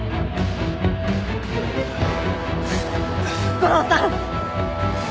悟郎さん！